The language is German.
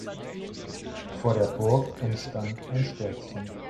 Vor der Burg entstand ein Städtchen.